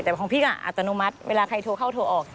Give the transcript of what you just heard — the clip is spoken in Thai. แต่ของพี่ก็อัตโนมัติเวลาใครโทรเข้าโทรออก